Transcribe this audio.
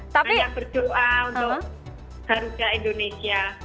banyak berdoa untuk garuda indonesia